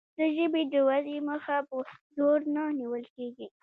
د ژبې د ودې مخه په زور نه نیول کیږي.